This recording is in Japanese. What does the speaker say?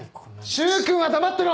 柊君は黙ってろ！